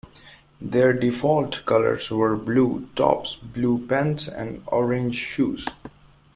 Their default colors were blue tops, blue pants and orange shoes.